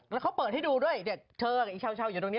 แล้วเขาก็เปิดให้ดูด้วยเห็นมันด้านล่าง